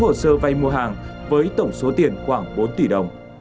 hồ sơ vay mua hàng với tổng số tiền khoảng bốn tỷ đồng